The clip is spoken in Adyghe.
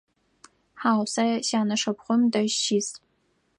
Хьау, сэ сянэшыпхъум дэжь сис.